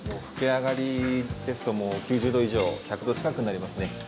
ふけあがりですと９０度以上、１００度近くになりますね。